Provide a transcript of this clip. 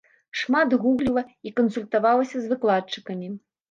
Шмат гугліла і кансультавалася з выкладчыкамі.